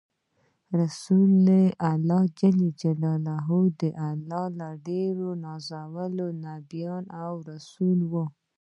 رسول الله ص د الله ډیر نازولی نبی او رسول وو۔